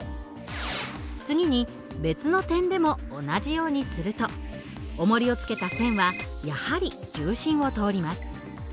次に別の点でも同じようにするとおもりを付けた線はやはり重心を通ります。